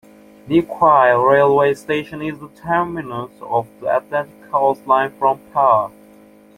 Newquay railway station is the terminus of the Atlantic Coast Line from Par.